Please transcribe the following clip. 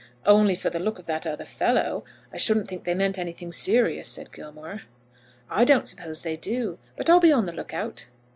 "Only for the look of that other fellow, I shouldn't think they meant anything serious," said Gilmore. "I don't suppose they do, but I'll be on the look out."